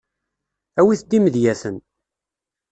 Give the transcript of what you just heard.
Awit-d imedyaten.